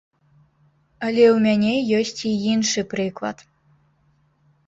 Але ў мяне ёсць і іншы прыклад.